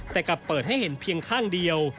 แต่กลับเปิดให้เห็นเพียงข้างเดียว